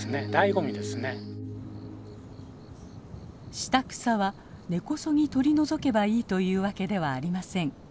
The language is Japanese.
下草は根こそぎ取り除けばいいというわけではありません。